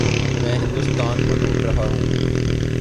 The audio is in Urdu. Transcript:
میں ہندوستان کو لوٹ رہا ہوں۔